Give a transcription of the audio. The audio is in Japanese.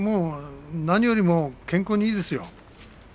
何よりも健康にいいですよ。